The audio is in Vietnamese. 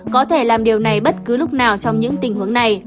có thể làm điều này bất cứ lúc nào trong những tình huống này